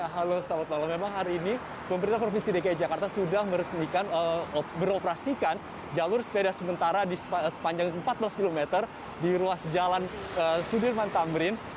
halo selamat malam memang hari ini pemerintah provinsi dki jakarta sudah meresmikan beroperasikan jalur sepeda sementara di sepanjang empat belas km di ruas jalan sudirman tamrin